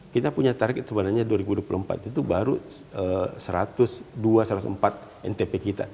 kita punya target sebenarnya dua ribu dua puluh empat itu baru satu ratus dua satu ratus empat ntp kita